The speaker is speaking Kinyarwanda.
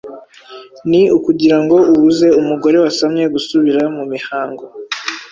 ni ukugira ngo ubuze umugore wasamye gusubira mu mihango,